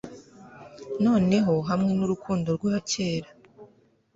Noneho hamwe nurukundo rwa kera